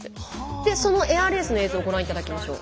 でそのエアレースの映像ご覧頂きましょう。